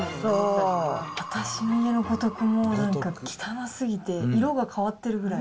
私の家の五徳も、なんか汚すぎて、色が変わってるぐらい。